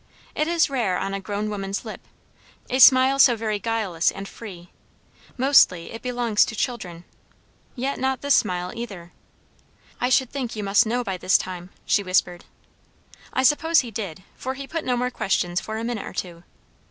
It is rare on a grown woman's lip, a smile so very guileless and free; mostly it belongs to children. Yet not this smile, either. "I should think you must know by this time," she whispered. I suppose he did; for he put no more questions for a minute or two.